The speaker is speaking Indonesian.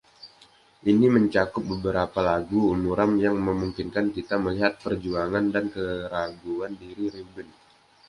Ini mencakup beberapa lagu muram yang memungkinkan kita melihat perjuangan dan keraguan diri Reuben.